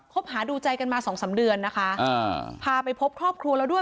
หาดูใจกันมาสองสามเดือนนะคะอ่าพาไปพบครอบครัวแล้วด้วย